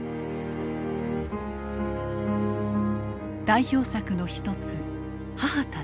代表作の一つ「母たち」。